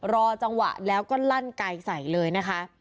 รอจังหวะแล้วก็ลั่นไกลใส่เลยนะคะ